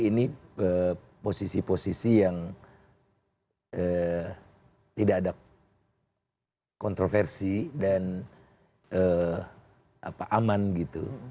ini posisi posisi yang tidak ada kontroversi dan aman gitu